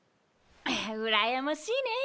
うらやましねえ。